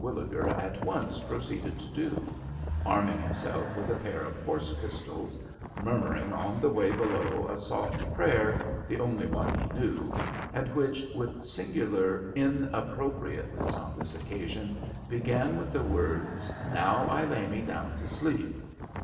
Terwilliger at once proceeded to do, arming himself with a pair of horse pistols, murmuring on the way below a soft prayer, the only one he knew, and which, with singular inappropriateness on this occasion, began with the words, "Now I lay me down to sleep."